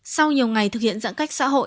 sau nhiều ngày thực hiện giãn cách xã hội